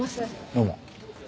どうも。